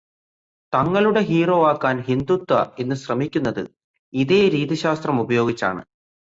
തങ്ങളുടെ ഹീറോ ആക്കാന് ഹിന്ദുത്വ ഇന്ന് ശ്രമിക്കുന്നത് ഇതേ രീതിശാസ്ത്രമുപയോഗിച്ചാണ്.